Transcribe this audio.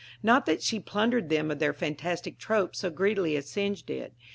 Not that she plundered them of their fantastic tropes so greedily as Synge did.